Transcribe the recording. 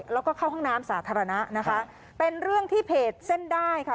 แล้วก็เข้าห้องน้ำสาธารณะนะคะเป็นเรื่องที่เพจเส้นได้ค่ะ